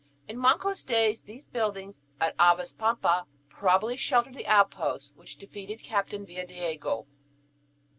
In Manco's day these buildings at Havaspampa probably sheltered the outpost which defeated Captain Villadiego.